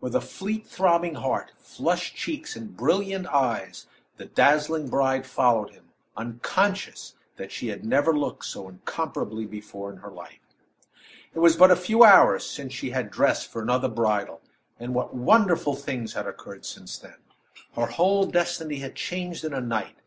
With a feet throbbing heart, flushed cheeks, and brilliant eyes, the dazzling bride followed him, unconscious that she had never looked so incomparably before in her life. It was but a few hours since she had dressed for another bridal; and what wonderful things had occurred since then her whole destiny had changed in a night.